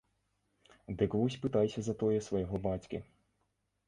Дык вось пытайся затое свайго бацькі!